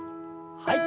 はい。